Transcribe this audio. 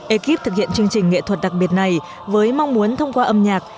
ekip thực hiện chương trình nghệ thuật đặc biệt này với mong muốn thông qua âm nhạc